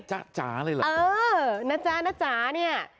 จ๊ะจ๋าเลยเหรอเออนะจ๊ะนะจ๋าเนี่ย